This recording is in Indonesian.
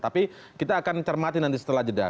tapi kita akan cermati nanti setelah jeda